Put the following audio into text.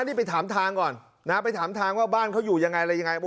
นี่ไปถามทางก่อนนะไปถามทางว่าบ้านเขาอยู่ยังไงอะไรยังไง